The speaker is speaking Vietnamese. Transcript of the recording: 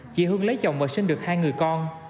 chị hương lấy chồng và sinh được hai người con